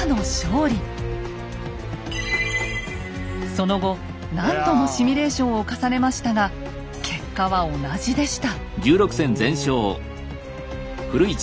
その後何度もシミュレーションを重ねましたが結果は同じでした。